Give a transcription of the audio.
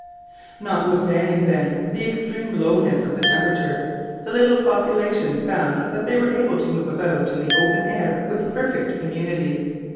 Notwithstanding, then, the extreme lowness of the temperature, the little population found that they were able to move about in the open air with perfect immunity.